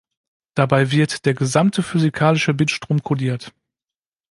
Dabei wird der gesamte physikalische Bitstrom kodiert.